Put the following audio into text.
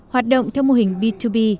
hoạt động theo mô hình b hai b